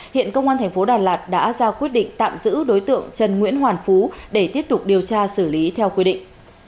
hiện công an thành phố đà lạt đã ra quyết định tạm giữ đối tượng trần nguyễn hoàn phú để tiếp tục điều tra xử lý theo quy định